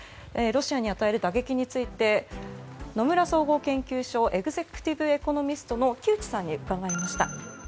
ロシアに与える打撃について野村総合研究所エグゼクティブ・エコノミストの木内さんに伺いました。